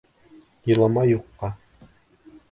Илама юҡҡа.